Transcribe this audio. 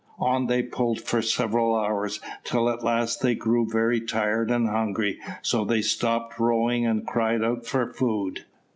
On they pulled for several hours, till at last they grew very tired and hungry, so they stopped rowing and cried out for food.